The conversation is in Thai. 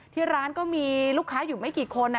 ที่ร้านก็มีลูกค้าอยู่ไม่กี่คน